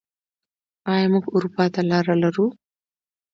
آیا موږ اروپا ته لاره لرو؟